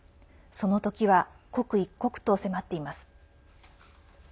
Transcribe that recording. その時は刻一刻と迫っています。